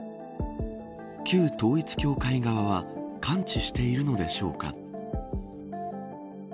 旧統一教会側は関知しているのでしょうか。